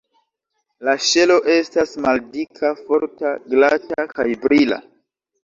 La ŝelo estas maldika, forta, glata kaj brila.